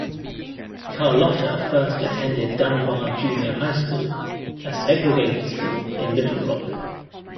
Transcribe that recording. Carlotta first attended Dunbar Junior High School, a segregated school in Little Rock.